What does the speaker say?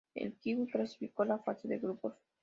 El Kiwi clasificó a la fase de grupos.